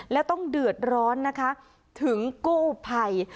และต้องเดือดร้อนนะคะถึงกู้ภัย